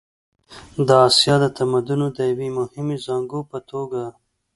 د اسیا د تمدنونو د یوې مهمې زانګو په توګه.